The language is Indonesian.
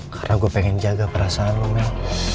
karena gue pengen jaga perasaan lo mel